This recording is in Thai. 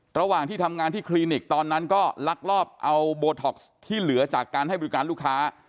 ระหว่างที่ทำงานที่คลินิกตอนนั้นก็ลักลอบเอาโบท็อกซ์ที่เหลือจากการให้บริการลูกค้า